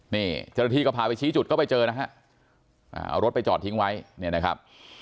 นี่เจ้าหน้าที่ก็พาไปชี้จุดก็ไปเจอนะฮะเอารถไปจอดทิ้งไว้เนี่ยนะครับ